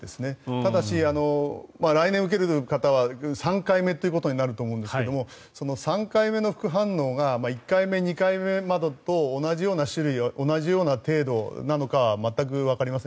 ただし、来年受ける方は３回目ということになると思うんですが３回目の副反応が１回目、２回目までと同じような種類同じような程度なのか全くわかりません。